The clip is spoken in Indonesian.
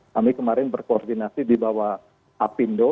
kami kemarin berkoordinasi di bawah apindo